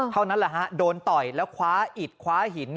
เท่านั้นแหละฮะโดนต่อยแล้วคว้าอิดคว้าหิน